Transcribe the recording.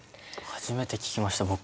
初めて聞きました僕は。